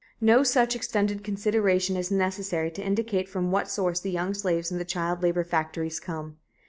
No such extended consideration is necessary to indicate from what source the young slaves in the child labor factories come.